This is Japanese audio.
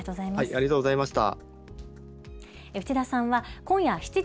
内田さん、ありがとうございました。